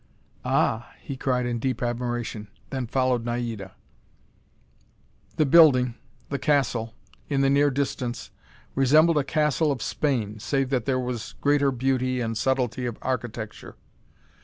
"Ah!" he cried in deep admiration, then followed Naida. The building the castle in the near distance, resembled a castle of Spain, save that there was greater beauty and subtlety of architecture.